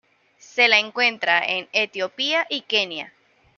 Se la encuentra en Etiopía y Kenia.